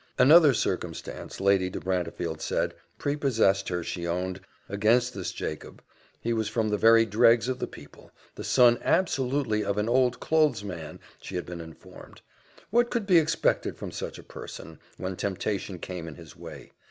Another circumstance, Lady de Brantefield said, prepossessed her, she owned, against this Jacob; he was from the very dregs of the people; the son absolutely of an old clothes man, she had been informed. What could be expected from such a person, when temptation came in his way?